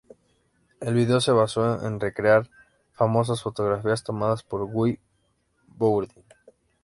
El video se basó en recrear famosas fotografías tomadas por Guy Bourdin.